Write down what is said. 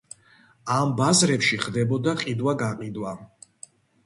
ამ ბაზრებში ხდებოდა ყიდვა-გაყიდვა.